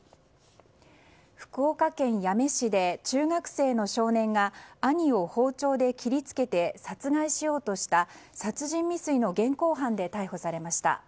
福岡県八女市で中学生の少年が兄を包丁で切り付けて殺害しようとした殺人未遂の現行犯で逮捕されました。